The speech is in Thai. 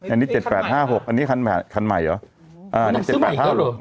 อันนี้เจ็ดแปดห้าหกอันนี้คันใหม่คันใหม่เหรออ่าอันนี้เจ็ดแปดห้าหก